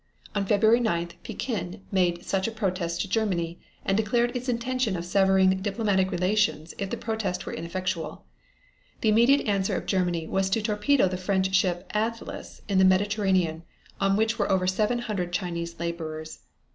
On February 9th Pekin made such a protest to Germany, and declared its intention of severing diplomatic relations if the protest were ineffectual. The immediate answer of Germany was to torpedo the French ship Atlas in the Mediterranean on which were over seven hundred Chinese laborers.